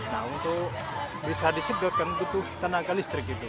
nah untuk bisa disipl kan butuh tenaga listrik gitu